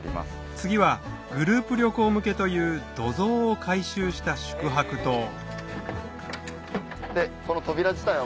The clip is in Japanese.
次はグループ旅行向けという土蔵を改修した宿泊棟うわ！